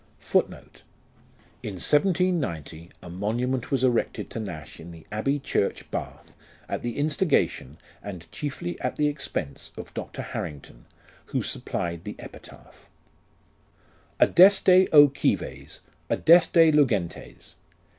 1 1 In 1790, a monument was erected to Nash in the Abbey Church, Bath, at the insti gation, and chiefly at the expense of Dr. Harrington, who supplied the epitaph : Adeste Gives, adeste Lugentes